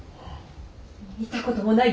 見たこともない